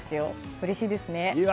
うれしいですね。